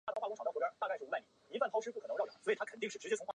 白金在一开始为了逗法兰西奴傀儡发笑而制作的四个自动傀儡。